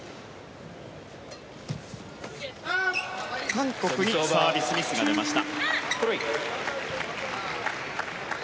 韓国にサービスミスが出ました。